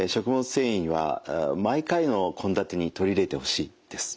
繊維は毎回の献立に取り入れてほしいです。